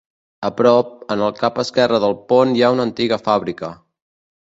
A prop, en el cap esquerre del pont hi ha una antiga fàbrica.